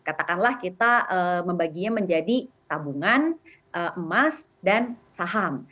katakanlah kita membaginya menjadi tabungan emas dan saham